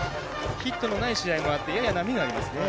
ヒットのない試合もあってやや波がありますね。